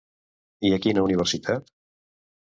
I a quina universitat?